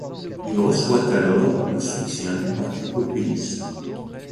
Il reçoit alors le soutien du Parti populiste.